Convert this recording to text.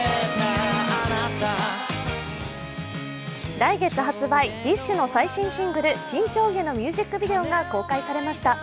来月発売、ＤＩＳＨ／／の最新シングル「沈丁花」のミュージックビデオが公開されました。